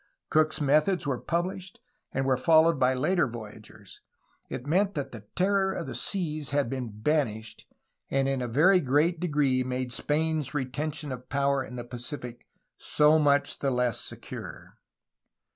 Cook's methods were published, and were followed by later voy agers. It meant that the terror of the seas had been banished, and in a very great degree made Spain's retention of power in the Pacific so much the less secure.